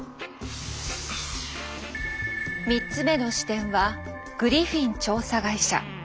３つ目の視点はグリフィン調査会社。